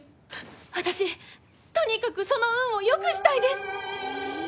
私とにかくその運を良くしたいです！